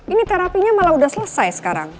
ini terapinya malah sudah selesai sekarang